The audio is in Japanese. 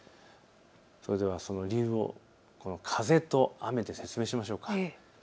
その理由を風と雨で説明しましょう。